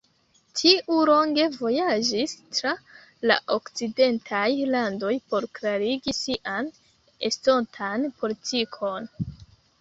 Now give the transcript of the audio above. Tiu longe vojaĝis tra la okcidentaj landoj por klarigi sian estontan politikon.